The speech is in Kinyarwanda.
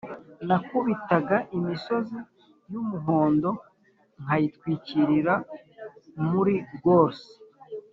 nakubitaga imisozi yumuhondo nkayitwikira muri gorse.